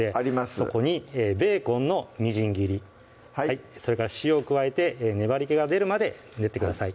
そこにベーコンのみじん切りはいそれから塩を加えて粘りけが出るまで練ってください